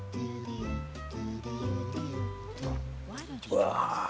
うわ。